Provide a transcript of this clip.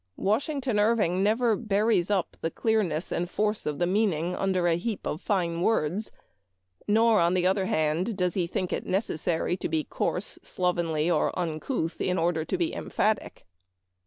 Washington Irving never buries up the clearness and force of the meaning under a heap of fine words ; nor, on the other hand, does he think it necessary to be coarse, sloven ly, or uncouth, in order to be emphatic.